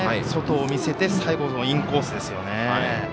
外を見せて、最後インコースですよね。